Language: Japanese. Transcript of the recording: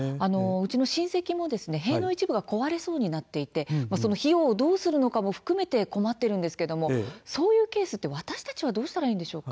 うちの親戚も塀の一部が壊れそうになっていてその費用をどうするかも含めて困っているんですがそういうケースは私たちはどうしたらいいんでしょうか。